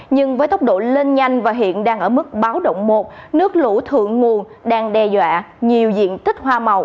nhưng với tốc độ lên nhanh và hiện đang ở mức báo động một nước lũ thượng nguồn đang đe dọa nhiều diện tích hoa màu